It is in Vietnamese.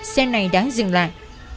xe này đã dừng lại